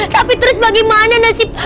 tapi terus bagaimana nasib